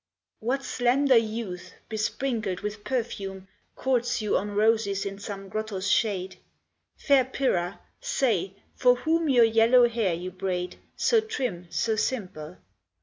What slender youth, besprinkled with perfume, Courts you on roses in some grotto's shade? Fair Pyrrha, say, for whom Your yellow hair you braid, So trim, so simple!